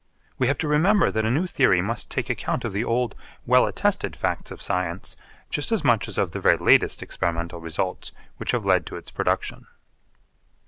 We have to remember that a new theory must take account of the old well attested facts of science just as much as of the very latest experimental results which have led to its production.